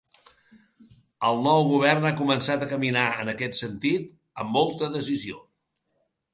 El nou govern ha començat a caminar, en aquest sentit, amb molta decisió.